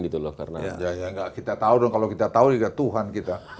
ya ya ya kita tahu dong kalau kita tahu juga tuhan kita